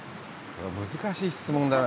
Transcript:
難しい質問だな。